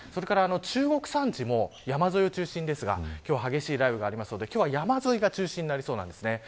中国山地も、山沿いを中心ですが激しい雷雨がありますので今日は山沿いが中心になりそうです。